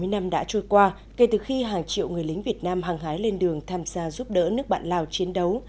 bảy mươi năm đã trôi qua kể từ khi hàng triệu người lính việt nam hàng hái lên đường tham gia giúp đỡ nước bạn lào chiến đấu